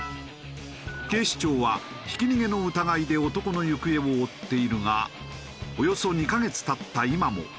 警視庁はひき逃げの疑いで男の行方を追っているがおよそ２カ月経った今も逮捕に至っていない。